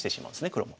黒も。